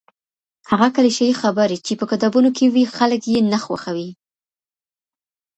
هغه کليشه يي خبرې چي په کتابونو کي وي خلګ يې نه خوښوي.